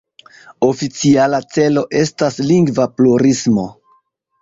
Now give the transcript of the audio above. Oficiala celo estas lingva plurismo.